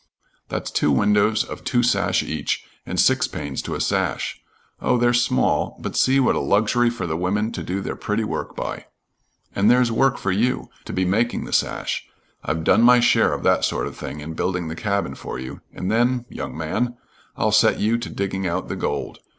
That's two windows of two sash each, and six panes to a sash. Oh, they're small, but see what a luxury for the women to do their pretty work by. And there's work for you, to be making the sash. I've done my share of that sort of thing in building the cabin for you, and then young man I'll set you to digging out the gold.